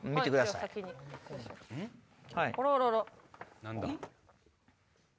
何だ？